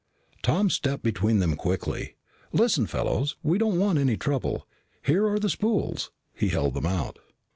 Tom stepped between them quickly. "Listen, fellows, we don't want any trouble. Here are the spools." He held them out.